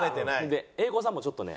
英孝さんもちょっとね。